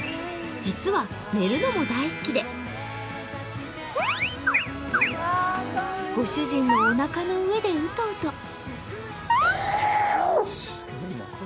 実は、寝るのも大好きでご主人のおなかの上でウトウト。